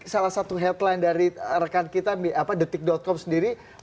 salah satu headline dari rekan kita detik com sendiri